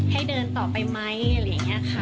เดินต่อไปไหมอะไรอย่างนี้ค่ะ